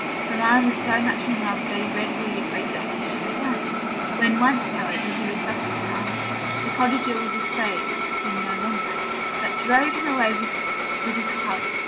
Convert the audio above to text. The Lion was so much in love that he readily agreed that this should be done. When once, however, he was thus disarmed, the Cottager was afraid of him no longer, but drove him away with his club.